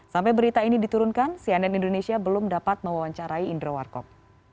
sampai berita ini diturunkan cnn indonesia belum dapat mewawancarai indro warkop